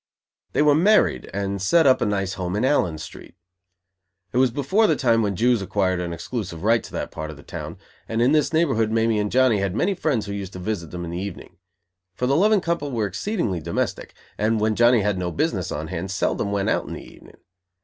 They were married and set up a nice home in Allen Street. It was before the time when the Jews acquired an exclusive right to that part of the town, and in this neighborhood Mamie and Johnny had many friends who used to visit them in the evening; for the loving couple were exceedingly domestic, and, when Johnny had no business on hand, seldom went out in the evening.